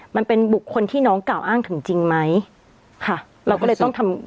มันเป็นบุคคลที่น้องกล่าวอ้างถึงจริงไหมค่ะเราก็เลยต้องทำ